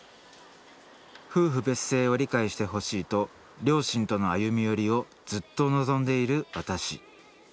夫婦別姓を理解してほしいと両親との歩み寄りをずっと望んでいる私。